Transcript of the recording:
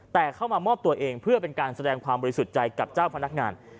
แต่เข้ามามอบตัวเองเพื่อเป็นการแสดงความบริสุทธิ์ใจกับเจ้าพนักงาน